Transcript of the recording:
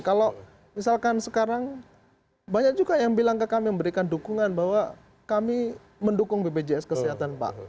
kalau misalkan sekarang banyak juga yang bilang ke kami memberikan dukungan bahwa kami mendukung bpjs kesehatan pak